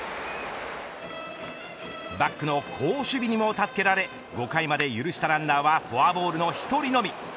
バックの好守備にも助けられ５回まで許したランナーはフォアボールの１人のみ。